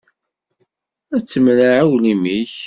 Ad temneɛ aglim-ik.